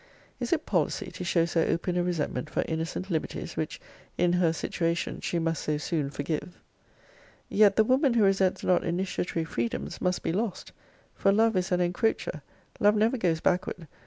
Is it policy to show so open a resentment for innocent liberties, which, in her situation, she must so soon forgive? Yet the woman who resents not initiatory freedoms must be lost. For love is an encroacher. Love never goes backward.